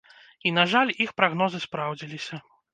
І, на жаль, іх прагнозы спраўдзіліся.